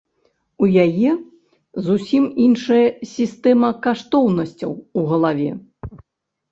У яе зусім іншая сістэма каштоўнасцяў у галаве.